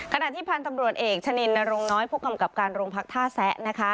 ขณะที่พันธุ์ตำรวจเอกชะนินนรงน้อยผู้กำกับการโรงพักท่าแซะนะคะ